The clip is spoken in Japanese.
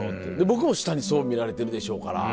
僕も下にそう見られてるでしょうから。